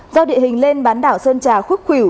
do địa hình lên bán đảo sơn trà khúc khỉu